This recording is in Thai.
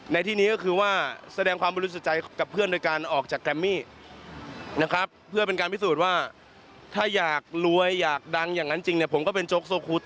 ในที่นี้ก็คือว่าแสดงความบริสุทธิ์ใจกับเพื่อนโดยการออกจากแกรมมี่นะครับเพื่อเป็นการพิสูจน์ว่าถ้าอยากรวยอยากดังอย่างนั้นจริงเนี่ยผมก็เป็นโจ๊กโซคูด